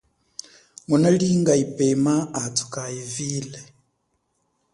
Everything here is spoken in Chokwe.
Ngunalinga yipema athu kayivile.